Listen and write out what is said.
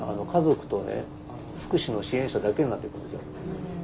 家族とね福祉の支援者だけになってくるんですよ。